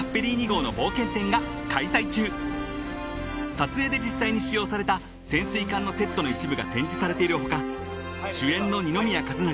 ［撮影で実際に使用された潜水艦のセットの一部が展示されているほか主演の二宮和也